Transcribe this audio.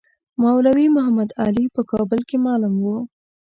مولوی محمدعلي په کابل کې معلم وو.